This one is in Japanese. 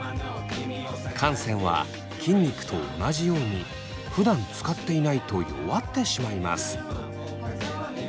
汗腺は筋肉と同じようにふだん使っていないと弱ってしまいます。